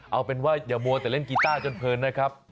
เอาเป็นว่าอย่ามัวแต่เล่นกีต้าจนเพลินนะครับ